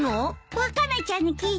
ワカメちゃんに聞いたのよ。